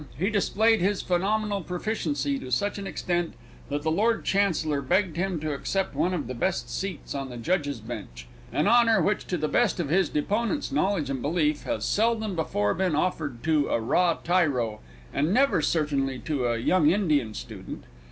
he displayed his phenomenal proficiency to such an extent that the Lord Chancellor begged him to accept one of the best seats on the Judges' bench, an honour which, to the best of this deponent's knowledge and belief, has seldom before been offered to a raw tyro, and never, certainly, to a young Indian student.